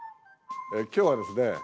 今日はですね